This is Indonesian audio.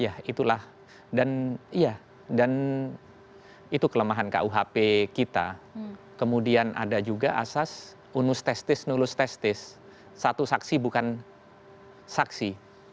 iya itulah dan iya dan itu kelemahan kuhp kita kemudian ada juga asas unus testis nulus testis satu saksi bukan saksi